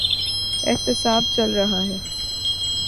احتساب چل رہا ہے۔